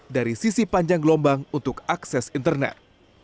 dari sisi panjang gelombang untuk akses internet